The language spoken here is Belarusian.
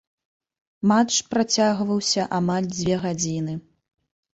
Матч працягваўся амаль дзве гадзіны.